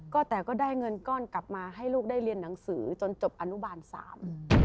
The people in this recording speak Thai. ก็แต่ก็ได้เงินก้อนกลับมาให้ลูกได้เรียนหนังสือจนจบอนุบาลสาม